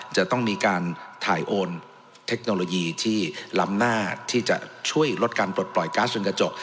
จะต้องมีการถ่ายโอนเทคโนโลยีที่ล้ำหน้าที่จะช่วยลดการปลดปล่อยก๊าซจนกระจก